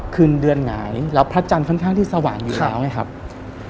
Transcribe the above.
คืนเดือนหงายแล้วพระจันทร์ค่อนข้างที่สว่างอยู่แล้วไงครับ